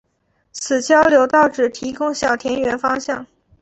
此交流道只提供小田原方向。